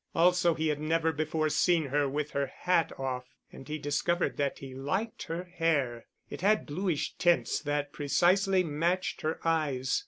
Also he had never before seen her with her hat off and he discovered that he liked her hair. It had bluish tints that precisely matched her eyes.